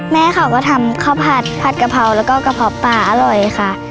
แม่เขาก็ทำข้าวผัดผัดกะเพราแล้วก็กระเพาะปลาอร่อยค่ะ